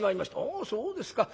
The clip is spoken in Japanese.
『あそうですか。